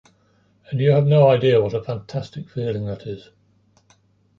And you have no idea what a fantastic feeling that is!